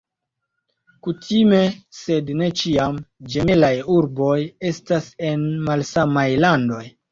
Kutime, sed ne ĉiam, ĝemelaj urboj estas en malsamaj landoj.